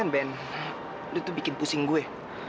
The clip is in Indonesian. ben lu bikin pusing gue